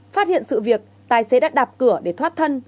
phát hiện sự việc tài xế đã đạp cửa để thoát thân